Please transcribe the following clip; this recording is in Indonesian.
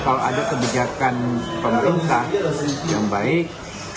kalau ada kebijakan pemerintah yang baik